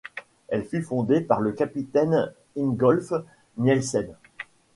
Elle fut fondée par le capitaine Ingolf Nielsen.